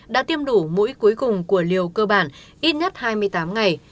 đã tiêm đủ mũi cuối cùng của liều cơ bản ít nhất hai mươi tám ngày